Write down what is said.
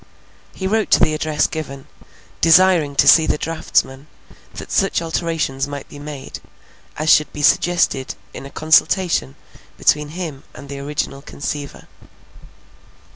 He wrote to the address given, desiring to see the draughtsman, that such alterations might be made, as should be suggested in a consultation between him and the original conceiver.